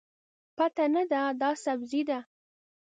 پته نه ده، دا سبزي ده.